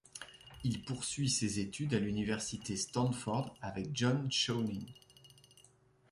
Il poursuit ses études à l'université Stanford avec John Chowning.